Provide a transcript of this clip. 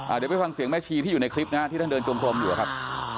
อ่าเดี๋ยวไปฟังเสียงแม่ชีที่อยู่ในงานที่ท่านเดินจงพรองอยู่ครับ